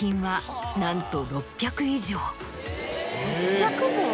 ６００も⁉